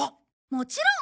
もちろん。